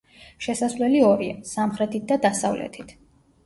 შესასვლელი ორია: სამხრეთით და დასავლეთით.